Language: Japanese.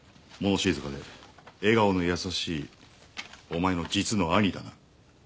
物静かで笑顔の優しいお前の実の兄だな。